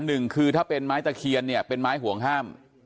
หนึ่งคือถ้าเป็นไม้ตะเคียนเนี่ยเป็นไม้ห่วงห้าม